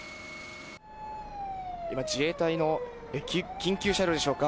今、自衛隊の緊急車両でしょうか。